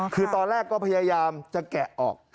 คือตอนแรกก็พยายามจะแกะออก